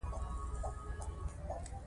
مور د ماشومانو لوستلو ته هڅوي.